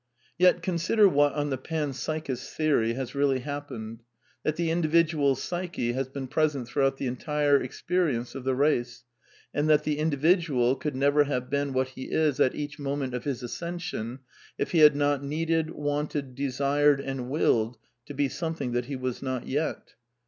Yet, consider what (on the pan psychisf s theory) has really happened : that the individual's psyche has been pres ent throughout the entire experience of the race, and that the individual could never have been what he is at each moment of his ascension if he had not needed, wanted, de sired, and willed to be something that he was not yet.